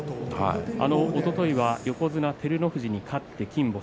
おとといは横綱照ノ富士に勝って金星。